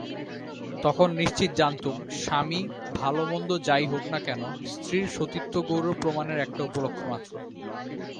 তখন নিশ্চিত জানতুম, স্বামী ভালোমন্দ যাই হোক-না কেন স্ত্রীর সতীত্বগৌরব প্রমাণের একটা উপলক্ষমাত্র।